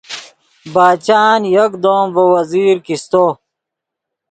باچآن یکدم ڤے یو وزیر کیستو